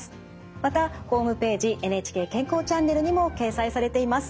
またホームページ「ＮＨＫ健康チャンネル」にも掲載されています。